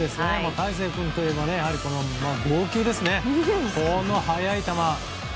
大勢君といえば剛球ですよね、速い球。